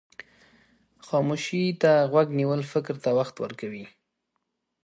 خاموشي ته غوږ نیول فکر ته وخت ورکوي.